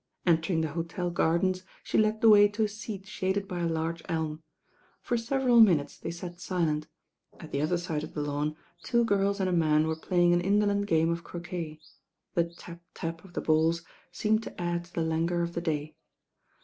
Entering the hotel gardens, she led the way to a seat shaded by a large elm. For several minutes they sat silent. At the other side of the lawn two g^rls and a man were playing an indolent game of croquet. The tap tap of the balls seemed to add to the languor of the day.